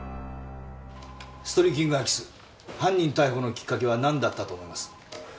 ストリーキング空き巣犯人逮捕のきっかけはなんだったと思います？